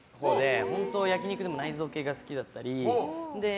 焼き肉でも内臓系が好きだったり。